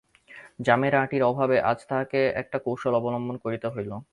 জামের আঁটির অভাবে আজ তাহাকে একটা কৌশল অবলম্বন করিতে হইল।